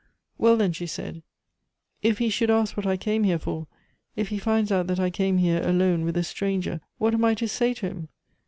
"Well, then," she said, "if he should ask what I came here for, if he finds out that I came here, alone, with a stranger, what am I to say to him?